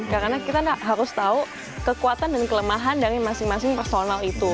karena kita harus tahu kekuatan dan kelemahan dari masing masing personal itu